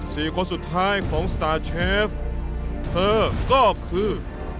คนสุดท้ายของสตาร์เชฟเธอก็คือ